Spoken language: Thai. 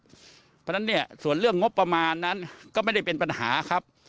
เพราะฉะนั้นเนี่ยส่วนเรื่องงบประมาณนั้นก็ไม่ได้เป็นปัญหาครับ